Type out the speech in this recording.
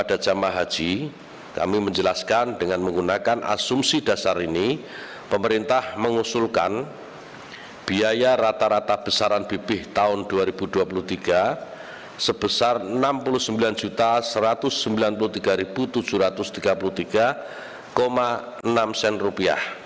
di dasar ini pemerintah mengusulkan biaya rata rata besaran bpih tahun dua ribu dua puluh tiga sebesar rp enam puluh sembilan satu ratus sembilan puluh tiga tujuh ratus tiga puluh tiga enam